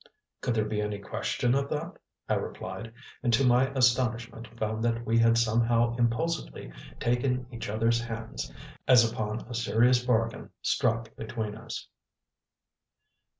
"Could there be any question of that?" I replied, and to my astonishment found that we had somehow impulsively taken each other's hands, as upon a serious bargain struck between us.